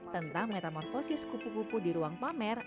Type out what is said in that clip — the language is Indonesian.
tentang metamorfosis pupu pupu di ruang pamer